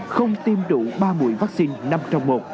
không tiêm đủ ba mũi vaccine năm trong một